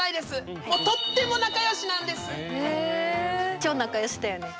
超仲良しだよね。